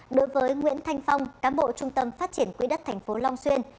đối với nguyễn thanh phong cám bộ trung tâm phát triển quỹ đất tp long xuyên